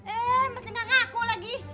eh masih gak ngaku lagi